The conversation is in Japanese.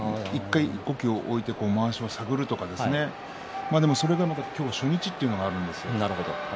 一呼吸を置いてまわしを探るとか今日初日というのがあるので。